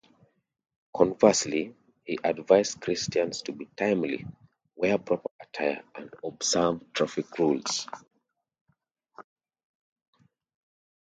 Conversely, he advised Christians to be timely, wear proper attire, and observe traffic rules.